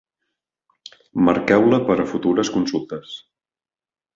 Marqueu-la per a futures consultes.